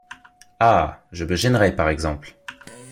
Ah! je me gênerais par exemple !